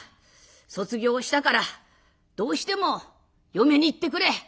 卒業したからどうしても嫁に行ってくれ。